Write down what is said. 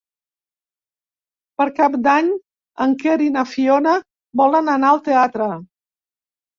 Per Cap d'Any en Quer i na Fiona volen anar al teatre.